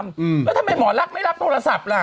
แล้วทำไมหมอลักษณ์ไม่รับโทรศัพท์ล่ะ